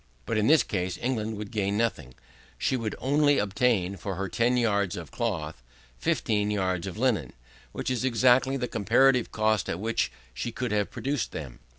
But in this case England would gain nothing: she would only obtain, for her 10 yards of cloth, 15 yards of linen, which is exactly the comparative cost at which she could have produced them.